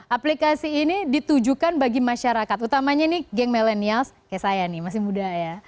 aplikasi ini ditujukan bagi masyarakat utamanya nih geng millennials kayak saya nih masih muda ya